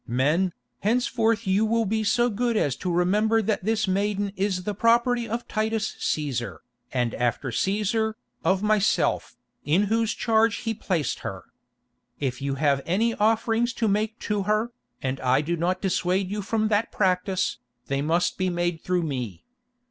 Men, henceforth you will be so good as to remember that this maiden is the property of Titus Cæsar, and after Cæsar, of myself, in whose charge he placed her. If you have any offerings to make to her, and I do not dissuade you from that practice, they must be made through me.